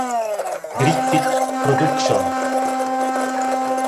Griffith Productions.